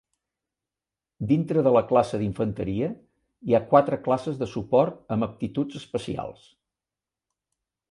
Dintre de la classe d'infanteria, hi ha quatre classes de suport amb aptituds especials.